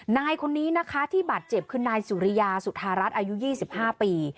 นายคนนี้นะคะที่บาดเจ็บคือนายสุริยาสุธารัฐอายุ๒๕ปี